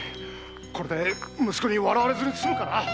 これで息子に笑われずに済むかな？